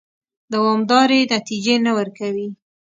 دوامدارې نتیجې نه ورکوي.